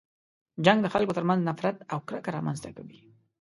جنګ د خلکو تر منځ نفرت او کرکه رامنځته کوي.